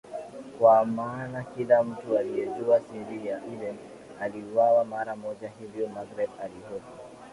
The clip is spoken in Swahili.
Kwa maana kila mtu aliyejua siri ile aliuawa mara moja hivyo Magreth alihofu